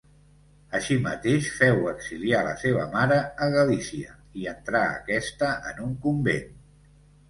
Així mateix, féu exiliar la seva mare a Galícia, i entrà aquesta en un convent.